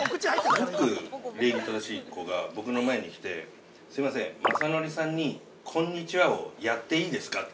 すごく礼儀正しい子が僕の前に来て、すいません、まさのりさんに「こんにちは」をやっていいですかって。